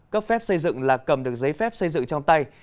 cấp phép xây dựng là cầm được giấy phép xây dựng trong tay